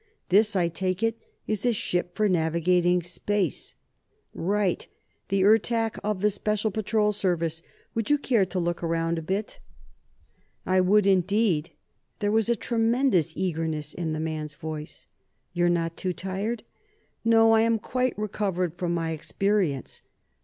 This, I take it, is a ship for navigating space?" "Right! The Ertak, of the Special Patrol Service. Would you care to look around a bit?" "I would, indeed." There was a tremendous eagerness in the man's voice. "You're not too tired?" "No; I am quite recovered from my experience."